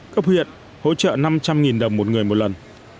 cấp huyện hỗ trợ năm trăm linh đồng một người một lần